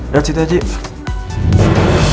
dari situ aja